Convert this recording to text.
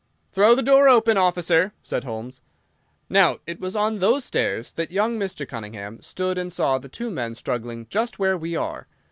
"Throw the door open, officer," said Holmes. "Now, it was on those stairs that young Mr. Cunningham stood and saw the two men struggling just where we are.